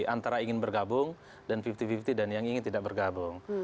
lima puluh lima puluh antara ingin bergabung dan lima puluh lima puluh yang ingin tidak bergabung